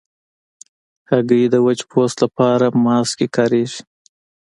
هګۍ د وچ پوست لپاره ماسک کې کارېږي.